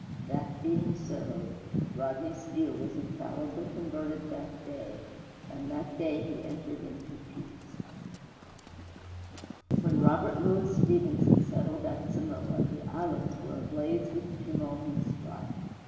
That being so, Rodney Steele was infallibly converted that day, and that day he entered into peace. VII When Robert Louis Stevenson settled at Samoa, the islands were ablaze with tumult and strife.